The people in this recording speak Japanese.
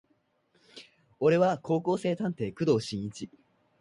俺は高校生探偵工藤新一